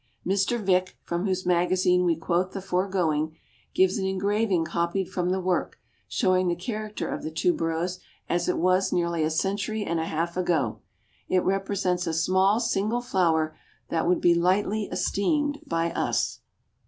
Mr. Vick, from whose magazine we quote the foregoing, gives an engraving copied from the work, showing the character of the tuberose as it was nearly a century and a half ago. It represents a small single flower, that would be lightly esteemed by us.